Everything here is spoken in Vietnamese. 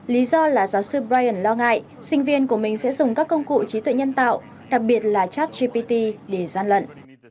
lý do là giáo sư brien lo ngại sinh viên của mình sẽ dùng các công cụ trí tuệ nhân tạo đặc biệt là chat gpt để gian lận